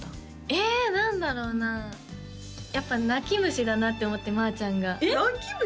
え何だろうなやっぱ泣き虫だなって思ってまあちゃんが泣き虫？